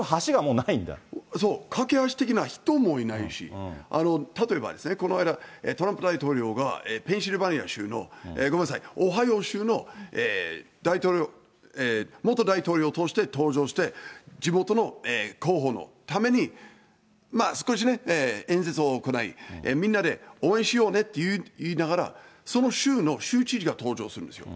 そう、掛け橋的な人もいないし、例えばですね、この間、トランプ大統領が、ペンシルバニア州の、ごめんなさい、オハイオ州の元大統領として登場して、地元の候補のために、少しね、演説を行い、みんなで応援しようねって言いながら、その州の州知事が登場するんですよ。